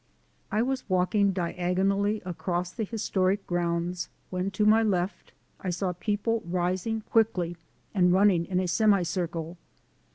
I was walking diagonally across the historic grounds, when to my left I saw people rising quickly and running in a semi circle.